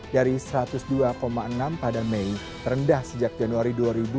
dari satu ratus dua enam pada mei terendah sejak januari dua ribu dua puluh